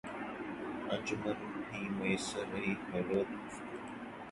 انجمن میں بھی میسر رہی خلوت اس کو